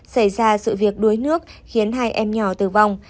xảy ra sự việc đuối nước khiến hai em nhỏ tử vong